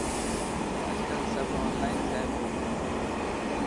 اڄڪل سب اونلائن ٿي پيو.